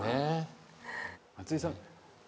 松井さん